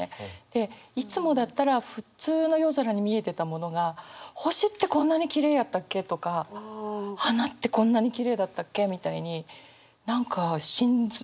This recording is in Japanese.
でいつもだったら普通の夜空に見えてたものが星ってこんなにきれいやったっけとか花ってこんなにきれいだったっけみたいに何か心臓。